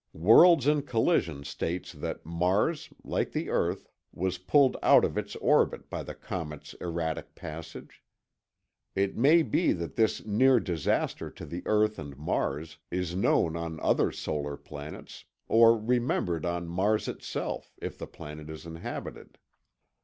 Worlds in Collision states that Mars, like the earth, was pulled out of its orbit by the comet's erratic passage. It may be that this near disaster to the earth and Mars is known on other solar planets, or remembered on Mars itself, if the planet is inhabited.